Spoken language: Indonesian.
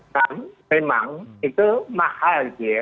nah memang itu mahal dia